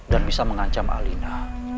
dan bisa mengancam alina